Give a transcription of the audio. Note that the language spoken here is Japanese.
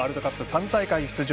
３大会出場